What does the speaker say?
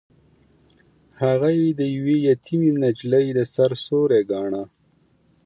هغه يې د يوې يتيمې نجلۍ د سر سيوری ګاڼه.